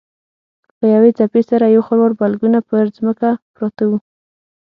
له یوې څپې سره یو خروار بلګونه پر ځمکه پراته وو.